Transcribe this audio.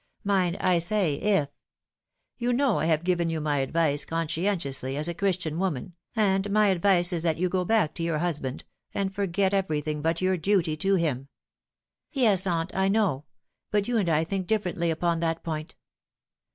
Mind, I say if. You know I have given you my advice conscientiously as a Christian woman, and my advice is that you go back to your husband, and forget everything but your duty to him." " Yes, aunt, I know ; but you and I think differently upon that point."